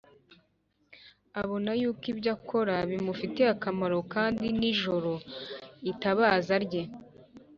Abona yuko ibyo akora bimufitiye akamaro, kandi nijoro itabaza rye